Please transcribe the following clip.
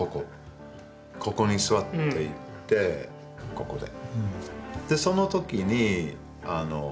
ここで。